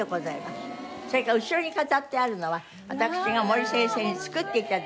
それから後ろに飾ってあるのは私が森先生に作って頂いた。